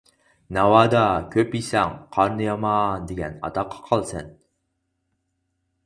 ناۋادا كۆپ يېسەڭ «قارنى يامان» دېگەن ئاتاققا قالىسەن.